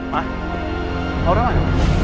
ma aura mah